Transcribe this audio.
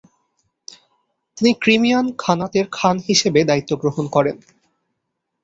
তিনি ক্রিমিয়ান খানাতের খান হিসেবে দায়িত্বগ্রহণ করেন।